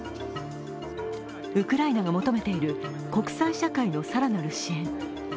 ウクライナが求めている国際社会の更なる支援。